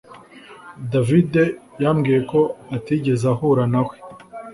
David yambwiye ko atigeze ahura nawe